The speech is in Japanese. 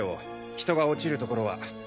人が落ちるところは。